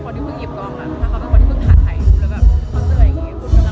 ก็ยังช่วงนี้ที่รู้สึกว่าที่ได้ยินจากเพื่อนเขาว่าเขาเป็นคนแบบเนี้ยหา